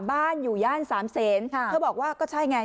บ้านอยู่ย่านสามเศษเธอบอกว่าก็ใช่ไง